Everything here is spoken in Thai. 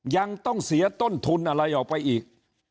ยังต้องเสียต้นทุนอะไรออกไปอีก